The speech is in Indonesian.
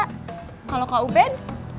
kalau kak ubed